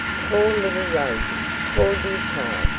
"Poor little Rosie! Poor dear child!